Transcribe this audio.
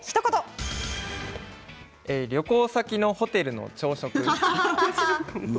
旅行先のホテルの朝食。